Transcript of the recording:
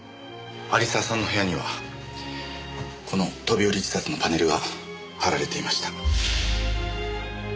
有沢さんの部屋にはこの飛び降り自殺のパネルが貼られていました。